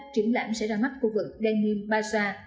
triển lãm sẽ ra mắt khu vực denims baza